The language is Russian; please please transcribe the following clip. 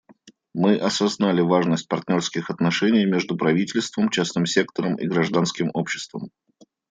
Мы осознали важность партнерских отношений между правительством, частным сектором и гражданским обществом.